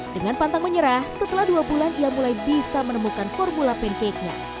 dengan pantang menyerah setelah dua bulan dia mulai bisa menemukan formula keknya